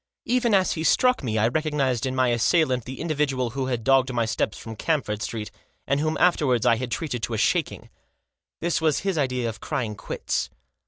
Even as he struck me I recog nised in my assailant the individual who had dogged my steps from Camford Street, and whom afterwards I had treated to a shaking. This was his idea of crying quits.